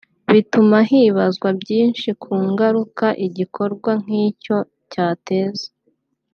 bituma hibazwa byinshi ku ngaruka igikorwa nk’icyo cyateza